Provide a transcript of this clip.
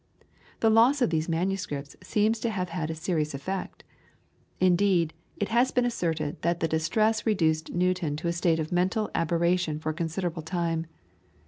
The loss of these manuscripts seems to have had a serious effect. Indeed, it has been asserted that the distress reduced Newton to a state of mental aberration for a considerable time.